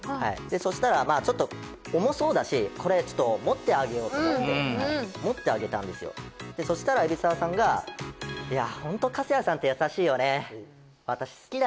そしたらまあちょっと重そうだしこれちょっと持ってあげようと思って持ってあげたんですよでそしたら海老沢さんが「いやホント糟谷さんって優しいよね」